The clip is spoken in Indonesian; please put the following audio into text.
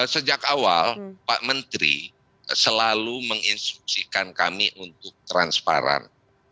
sejak awal pak menteri selalu menginstruksikan kami untuk transparan